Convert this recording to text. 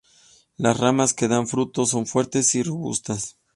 Las ramas que dan fruto son fuertes y robustas.